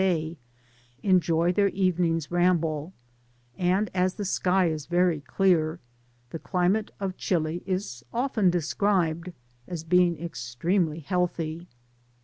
day, enjoy their evening's ramble ; and as the sky is very clear, the climate of Chili is often described as being extranely healthy.